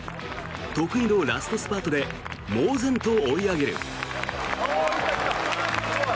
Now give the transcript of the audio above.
得意のラストスパートで猛然と追い上げる。